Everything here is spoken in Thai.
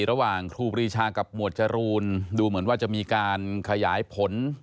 ครูปรีชากับหมวดจรูนดูเหมือนว่าจะมีการขยายผล